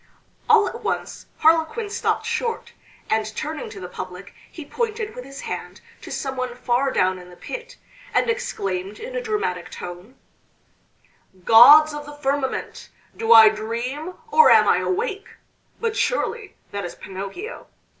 All at once Harlequin stopped short, and turning to the public he pointed with his hand to some one far down in the pit, and exclaimed in a dramatic tone: "Gods of the firmament! do I dream, or am I awake? But surely that is Pinocchio!"